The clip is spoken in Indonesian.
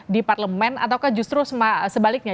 di parlemen ataukah justru sebaliknya